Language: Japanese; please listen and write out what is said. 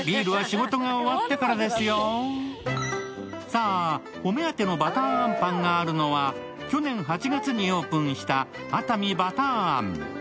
さあ、お目当てのばたーあんパンがあるのは、去年８月にオープンした熱海ばたーあん。